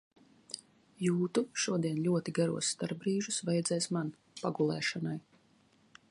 Jūtu, šodien ļoti garos starpbrīžus vajadzēs man. Pagulēšanai.